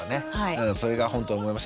それが本当に思いました。